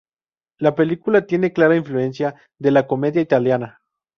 La película tiene clara influencias de la comedia italiana.